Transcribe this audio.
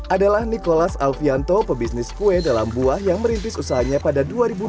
adalah nikolas alfianto pebisnis kue dalam buah yang merintis usahanya pada dua ribu dua belas